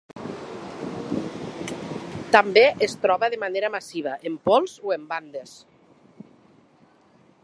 També es troba de manera massiva, en pols o en bandes.